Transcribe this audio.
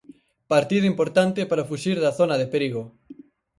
Partido importante para fuxir da zona de perigo.